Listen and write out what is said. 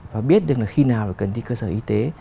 và biết được khi nào cần đi cơ sở y tế